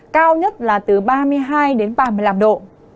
cao nhất là từ ba mươi hai đến ba mươi năm độ